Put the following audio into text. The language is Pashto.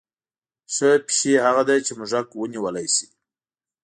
ښه پیشو هغه ده چې موږک ونیولی شي.